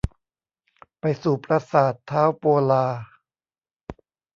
ไปสู่ปราสาทท้าวโปลา